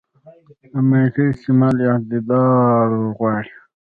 د مالګې استعمال اعتدال غواړي.